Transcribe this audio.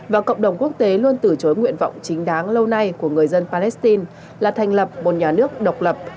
và cộng đồng quốc tế luôn từ chối nguyện vọng chính đáng lâu nay của người dân palestine là thành lập một nhà nước độc lập